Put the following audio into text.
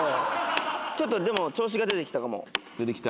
ちょっとでも、調子が出てき出てきた？